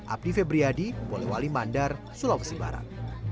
abdi febriyadi polewali mandar sulawesi barat